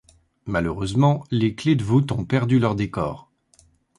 Malheureusement, les clés de voûte ont perdu leur décor.